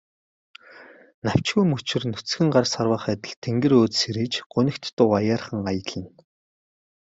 Навчгүй мөчир нүцгэн гар сарвайх адил тэнгэр өөд сэрийж, гунигт дуу аяархан аялна.